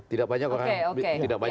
tidak banyak orang yang